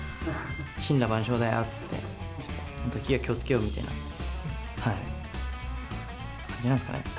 森羅万象だよって言って、ほんと、火は気をつけようみたいな感じなんですかね。